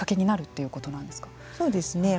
そうですね。